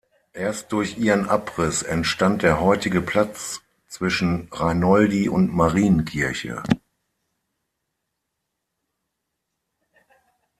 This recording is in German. Erst durch ihren Abriss entstand der heutige Platz zwischen Reinoldi- und Marienkirche.